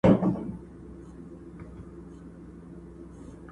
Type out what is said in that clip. بیا دي نوم نه یادومه ځه ورځه تر دکن تېر سې!